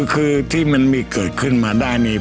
คือที่มันมีเกิดขึ้นมาได้นี่